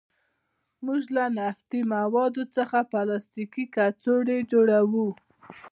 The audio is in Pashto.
موږ له نفتي موادو څخه پلاستیکي کڅوړې جوړوو.